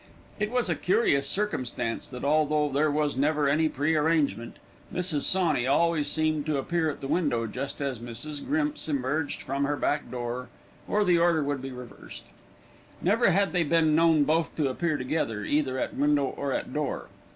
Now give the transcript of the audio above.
It was a curious circumstance that, although there was never any pre arrangement, Mrs. Sawney always seemed to appear at the window just as Mrs. Grimps emerged from her back door, or the order would be reversed. Never had they been known both to appear together, either at window or at door.